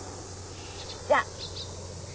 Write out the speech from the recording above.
じゃあ。